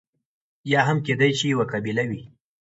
یا هم کېدای شي یوه قبیله وي.